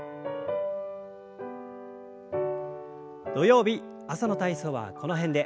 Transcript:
土曜日朝の体操はこの辺で。